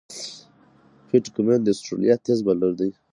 پیټ کمېن د استرالیا تېز بالر دئ.